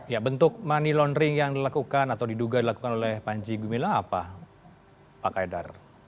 ya bentuk money laundering yang dilakukan atau diduga dilakukan oleh panji gumilang apa pak kaidar